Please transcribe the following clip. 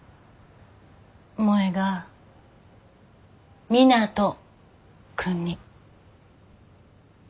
萌が湊斗君に。